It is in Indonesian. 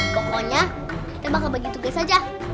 pokoknya kita bakal bagi tugas saja